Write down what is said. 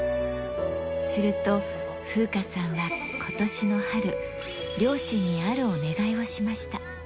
すると、風花さんはことしの春、両親にあるお願いをしました。